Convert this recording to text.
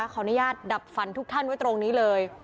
ขออนุญาตดับฝันทุกท่านไว้ตรงนี้เลย